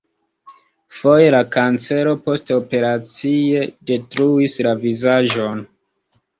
Foje la kancero postoperacie detruis la vizaĝon.